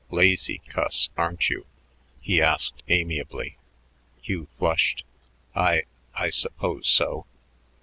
Lazy cuss, aren't you?" he asked amiably. Hugh flushed. "I I suppose so."